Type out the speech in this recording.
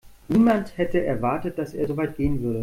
Niemand hätte erwartet, dass er so weit gehen würde.